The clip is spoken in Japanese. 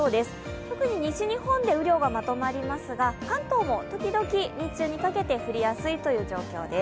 特に西日本で雨量がまとまりますが関東もときどき日中にかけて降りやすいという情報です。